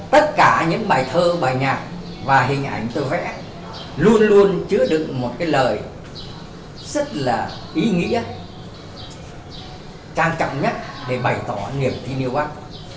tất cả những bài thơ bài nhạc và hình ảnh tôi vẽ luôn luôn chứa đựng một lời rất là ý nghĩa trang trọng nhất để bày tỏ nghiệp thi niêu bác